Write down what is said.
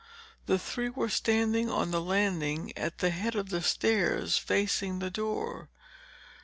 The three were standing on the landing at the head of the stairs, facing the door.